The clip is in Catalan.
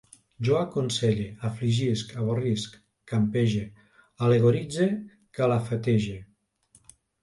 Jo aconselle, afligisc, avorrisc, campege, al·legoritze, calafatege